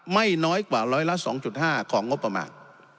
ไม่น้อยกว่าร้อยละ๒๕ของงบประมาณ